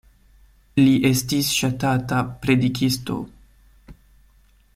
Li estis ŝatata predikisto.